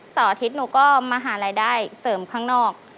อาทิตย์หนูก็มาหารายได้เสริมข้างนอก